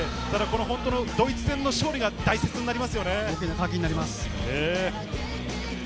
ドイツ戦の勝利が大切になりますよね。